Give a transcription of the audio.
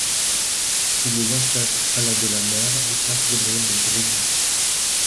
Il est l'ancêtre à la de la mère du prince Gabriel de Broglie.